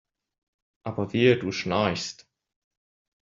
Aber wehe du schnarchst!